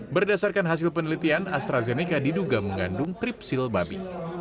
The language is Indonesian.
berdasarkan hasil penelitian astrazeneca diduga mengandung tripsil babi